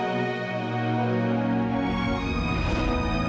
holai kita ostad resembling ini tapi kurang hebat